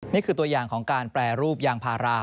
นี่คือตัวอย่างของการแปรรูปยางพารา